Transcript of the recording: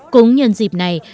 cũng nhân dịp này